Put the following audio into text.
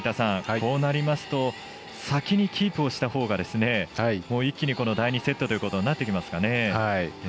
こうなりますと先にキープをしたほうが一気に第２セットということになってきますかね。